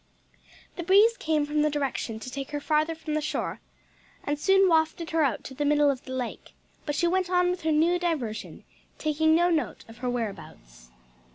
The breeze came from the direction to take her farther from the shore, and soon wafted her out to the middle of the lake, but she went on with her new diversion, taking no note of her whereabouts.